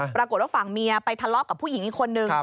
ปรากฏว่าฝั่งเมียไปทะเลาะกับผู้หญิงอีกคนนึง